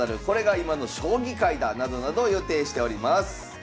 これが今の将棋界だ」などなど予定しております。